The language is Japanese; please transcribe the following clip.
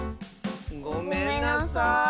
ごめんなさい。